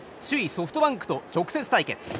ソフトバンクと直接対決。